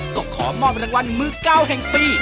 ก็ขอมอบรางวัลมือ๙แห่งปี